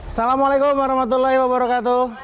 assalamualaikum warahmatullahi wabarakatuh